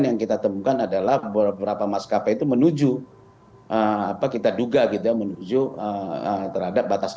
yang kita temukan adalah beberapa maskapai itu menuju apa kita duga gitu ya menuju terhadap batas